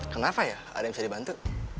kenapa ya ada yang bisa dibantu